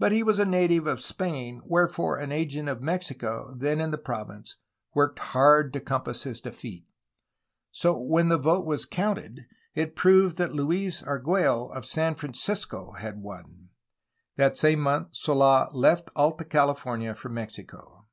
But he was a native of Spain, where fore an agent of Mexico then in the province worked hard to compass his defeat. So when the vote was counted it proved 454 A HISTORY OF CALIFORNIA that Luis Argiiello of San Francisco had won. That same month SoM left Alta California for Mexico.